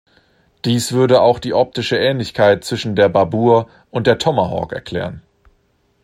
Dies würde auch die optische Ähnlichkeit zwischen der Babur und der Tomahawk erklären.